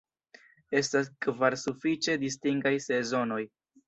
Estas kvar sufiĉe distingaj sezonoj.